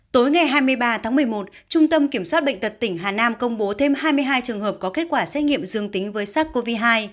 tối ngày hai mươi ba tháng một mươi một trung tâm kiểm soát bệnh tật tỉnh hà nam công bố thêm hai mươi hai trường hợp có kết quả xét nghiệm dương tính với sars cov hai